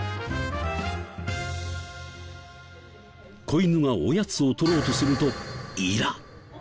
子犬がおやつを取ろうとするとイラッ。